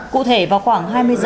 cụ thể vào khoảng hai mươi h ba mươi